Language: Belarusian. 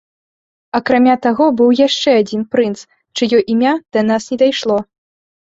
Акрамя таго, быў яшчэ адзін прынц, чыё імя да нас не дайшло.